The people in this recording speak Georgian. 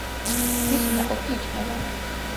მისი ნაყოფი იჭმევა.